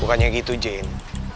bukannya gitu jane